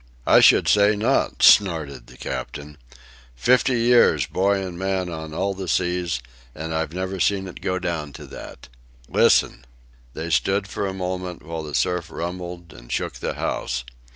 "I should say not!" snorted the captain. "Fifty years boy and man on all the seas, and I've never seen it go down to that. Listen!" They stood for a moment, while the surf rumbled and shook the house.